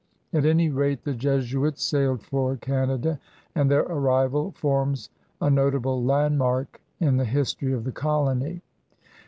At any rate the Jesuits sailed for Canada, and their arrival forms a notable landmark in the history of the colony.